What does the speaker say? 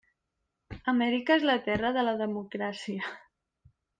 Amèrica és la terra de la democràcia.